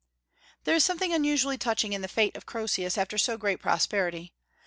There is something unusually touching in the fate of Croesus after so great prosperity.